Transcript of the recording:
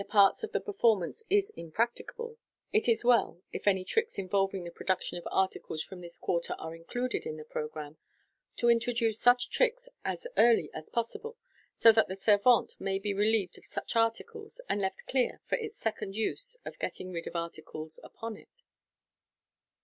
parts of the performance is impracticable, it is well, if any tricks involving the production of articles from this quarter are included in the programme, to introduce such tricks as early as possible, so that the servante may be relieved of such articles, and left clear for its second use of getting rid of articles upon it.